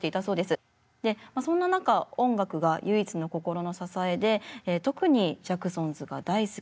でまあそんな中音楽が唯一の心の支えで特にジャクソンズが大好き。